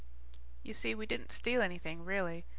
You see, we didn't steal anything, really.